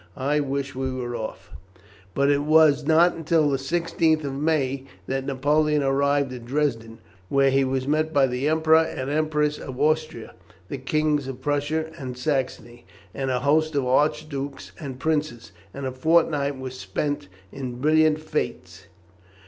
I wish we were off." But it was not until the 16th of May that Napoleon arrived at Dresden, where he was met by the Emperor and Empress of Austria, the Kings of Prussia and Saxony, and a host of archdukes and princes, and a fortnight was spent in brilliant fêtes.